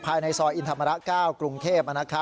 ภายในซอยอินธรรมระ๙กรุงเทพ